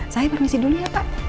saya permisi dulu ya pak